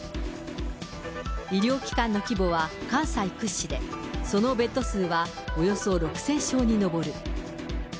医療機関の規模は関西屈指で、そのベッド数はおよそ６０００床に上る。